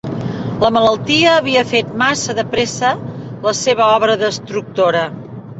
La malaltia havia fet massa de pressa la seva obra destructora.